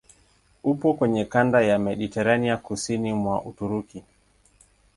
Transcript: Upo kwenye kanda ya Mediteranea kusini mwa Uturuki.